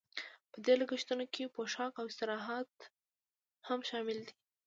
په دې لګښتونو کې پوښاک او استراحت هم شامل دي